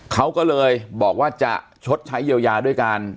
เขาก็เลยบอกว่าจะชดใช้เยียวยาด้วยการ